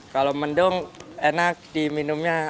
kalau mendung enak diminumnya